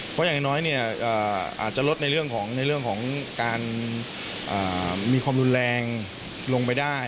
เพราะอย่างน้อยอาจจะลดในเรื่องของการมีความรุนแรงลงไปได้